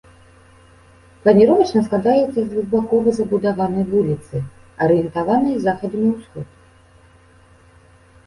Планіровачна складаецца з двухбакова забудаванай вуліцы, арыентаванай з захаду на ўсход.